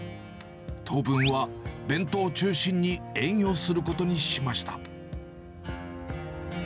当分は弁当中心に営業することにしました。